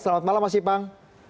selamat malam mas ibang